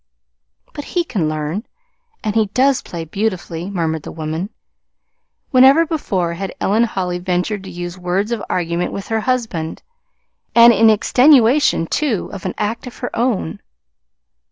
"But he can learn and he does play beautifully," murmured the woman; whenever before had Ellen Holly ventured to use words of argument with her husband, and in extenuation, too, of an act of her own!